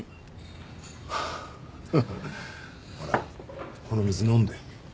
ほらこの水飲んで。